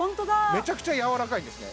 めちゃくちゃやわらかいんですね